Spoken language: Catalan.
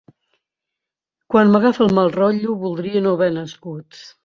Quan m'agafa el mal rotllo voldria no haver nascut.